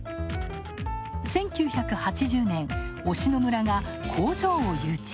１９８０年、忍野村が工場を誘致。